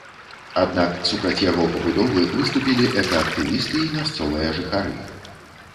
Аднак супраць яго пабудовы выступілі экаактывісты і мясцовыя жыхары.